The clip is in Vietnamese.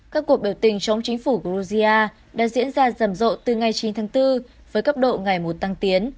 các cuộc biểu tình chống chính phủ georgia đã diễn ra rầm rộ từ ngày chín tháng bốn với cấp độ ngày một tăng tiến